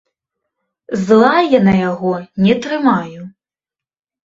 Зла я на яго не трымаю.